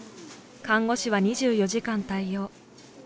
看護師は２４時間対応。